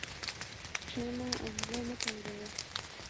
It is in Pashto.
کښېنه او زړه مه تنګوه.